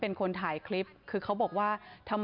มันมีแต่คนชั้นต่าง